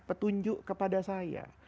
petunjuk kepada saya